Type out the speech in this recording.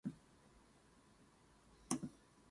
The area now produces white, red and rose wine.